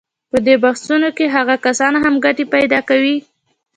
په دې بحثونو کې هغه کسان هم ګټې پیدا کوي.